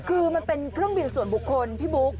คือมันเป็นเครื่องบินส่วนบุคคลพี่บุ๊ค